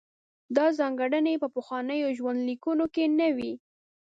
دا ځانګړنې په پخوانیو ژوندلیکونو کې نه وې.